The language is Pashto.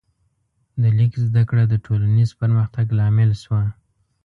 د لیک زده کړه د ټولنیز پرمختګ لامل شوه.